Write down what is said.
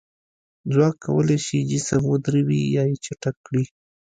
ځواک کولی شي جسم ودروي یا یې چټک کړي.